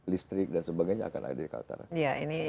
listrik dan sebagainya akan ada di kaltara